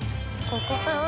ここかな？